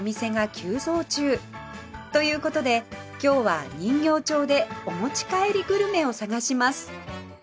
という事で今日は人形町でお持ち帰りグルメを探します